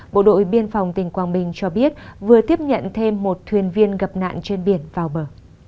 bộ đội biên phòng tỉnh quảng bình cho biết vừa tiếp nhận thêm một thuyền viên gặp nạn trên biển vào bờ